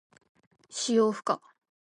使用不可。